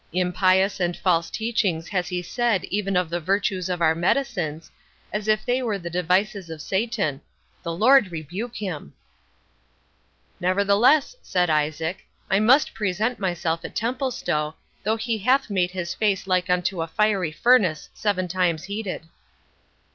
Impious and false things has he said even of the virtues of our medicines, as if they were the devices of Satan—The Lord rebuke him!" "Nevertheless," said Isaac, "I must present myself at Templestowe, though he hath made his face like unto a fiery furnace seven times heated."